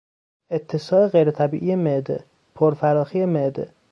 اتساع غیرطبیعی معده، پرفراخی معده